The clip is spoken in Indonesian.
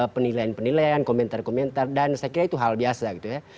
penilaian penilaian komentar komentar dan saya kira itu hal biasa gitu ya